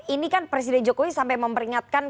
ini kan presiden jokowi sampai memperingatkan